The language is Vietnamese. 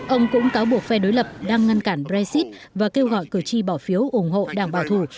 ông cũng cáo buộc phe đối lập đang ngăn cản brexit và kêu gọi cử tri bỏ phiếu ủng hộ đảng bảo thủ